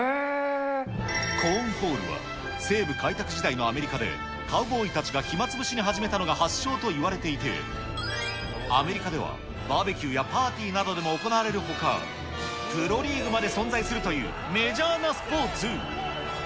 コーンホールは、西部開拓時代のアメリカで、カウボーイたちが暇つぶしに始めたのが発祥といわれていて、アメリカではバーベキューやパーティーなどでも行われるほか、プロリーグまで存在するというメジャーなスポーツ。